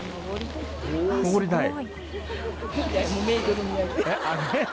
登りたい。